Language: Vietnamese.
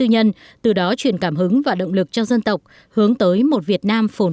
nhân từ đó chuyển cảm hứng và động lực cho dân tộc hướng tới một việt nam phổn vinh